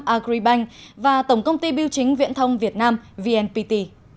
agribank và tổng công ty biêu chính viễn thông việt nam vnpt